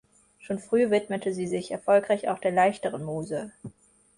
Schon früh widmete sie sich erfolgreich auch der leichteren Muse.